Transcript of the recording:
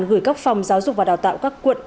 gửi các phòng giáo dục và đào tạo các quận